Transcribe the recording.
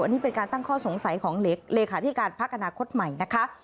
อันนี้เป็นการตั้งข้อสงสัยของเลขาธิการพักอนาคตใหม่นะคะ